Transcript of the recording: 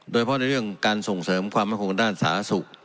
โดยเฉพาะในเรื่องการส่งเสริมความมั่นคงด้านสาธารณสุข